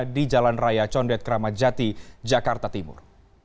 di jalan raya condet kramajati jakarta timur